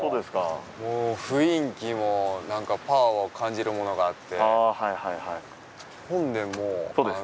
もう雰囲気も、なんかパワーを感じるものがあって。